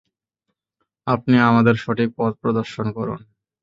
আপনি আমাদের সঠিক পথ প্রদর্শন করুন।